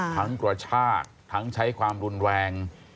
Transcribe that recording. กระชากทั้งใช้ความรุนแรง